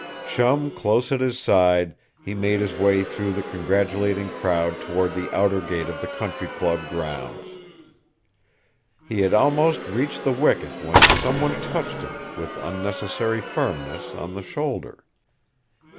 Chum close at his side, he made his way through the congratulating crowd toward the outer gate of the country club grounds. He had almost reached the wicket when someone touched him, with unnecessary firmness, on the shoulder.